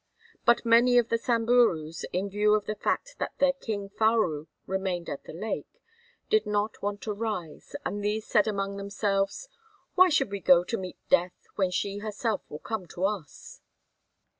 But many of the Samburus, in view of the fact that their king Faru remained at the lake, did not want to rise, and these said among themselves: "Why should we go to meet death when she herself will come to us?"